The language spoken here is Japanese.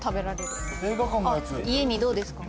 家にどうですか？